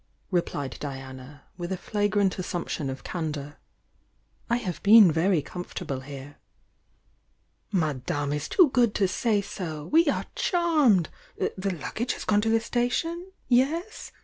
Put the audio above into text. replied Diann. with a flagrant assumption of candour. "I have beei. very comfortable here." "Madame is too good to say so ! We are charmed ! The luggage has gone to the station? Yes?